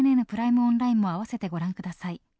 オンライン」も合わせてご覧ください。